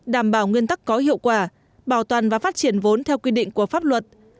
đảm bảo nguyên tắc có hiệu quả bảo toàn và phát triển vốn theo quy định của pháp luật